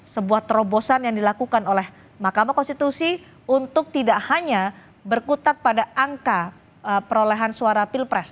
sebuah terobosan yang dilakukan oleh mahkamah konstitusi untuk tidak hanya berkutat pada angka perolehan suara pilpres